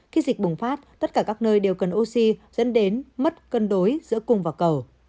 khi dịch bùng phát tất cả các nơi đều cần oxy dẫn đến mất cân đối giữa cung và cầu